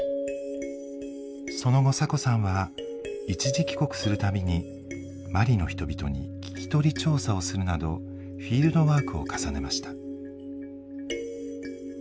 その後サコさんは一時帰国する度にマリの人々に聞き取り調査をするなどフィールドワークを重ねました。